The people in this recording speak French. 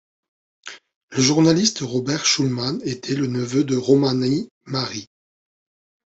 Le journaliste Robert Schulman était le neveu de Romany Marie.